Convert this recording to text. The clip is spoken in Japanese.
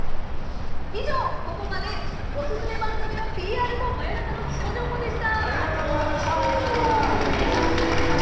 以上、ここまでおすすめ番組のＰＲと真夜中の気象情報でした。